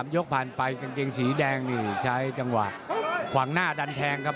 ยกผ่านไปกางเกงสีแดงนี่ใช้จังหวะขวางหน้าดันแทงครับ